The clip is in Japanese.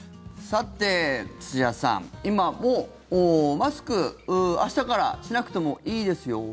さて土田さん、今、もうマスク明日からしなくてもいいですよ